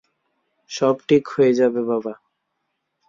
সব ঠিক হয়ে যাবে, বাবা।